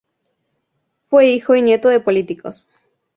Fue hijo y nieto de políticos.